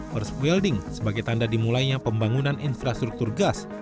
first building sebagai tanda dimulainya pembangunan infrastruktur gas